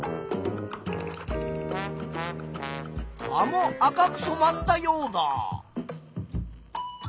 葉も赤くそまったヨウダ。